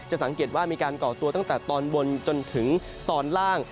สังเกตว่ามีการก่อตัวตั้งแต่ตอนบนจนถึงตอนล่าง